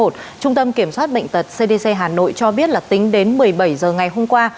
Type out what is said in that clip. trung tâm kiểm soát bệnh tật cdc hà nội cho biết là tính đến một mươi bảy h ngày hôm qua